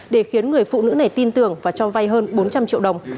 để khiến người phụ nữ này tin tưởng và cho vay hơn bốn trăm linh triệu đồng